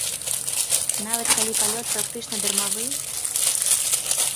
Нават калі палёт практычна дармавы?